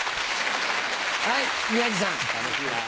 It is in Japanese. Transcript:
はい宮治さん。